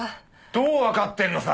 どうわかってるのさ！